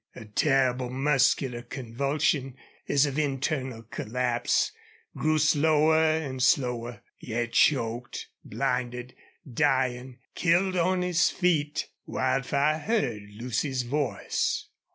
A terrible muscular convulsion as of internal collapse grew slower and slower. Yet choked, blinded, dying, killed on his feet, Wildfire heard Lucy's voice.